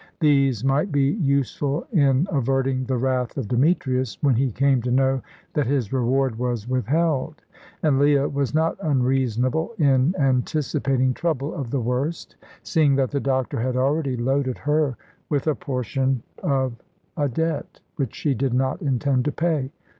These might be useful in averting the wrath of Demetrius, when he came to know that his reward was withheld. And Leah was not unreasonable in anticipating trouble of the worst, seeing that the doctor had already loaded her with a portion of a debt which she did not intend to pay.